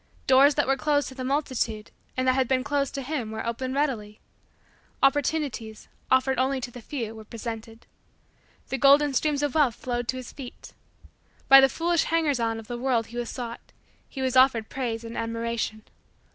Doors that were closed to the multitude, and that had been closed to him, were opened readily. Opportunities, offered only to the few, were presented. The golden stream of wealth flowed to his feet. By the foolish hangers on of the world he was sought he was offered praise and admiration.